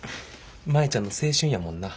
舞ちゃんの青春やもんな。